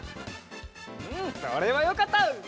うんそれはよかった！